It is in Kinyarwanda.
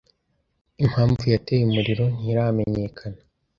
Impamvu yateye umuriro ntiramenyekana.